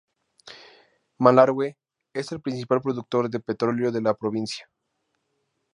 Malargüe es el principal productor de petróleo de la provincia.